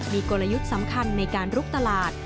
มีกลยุทธ์สำคัญในการลุกตลาด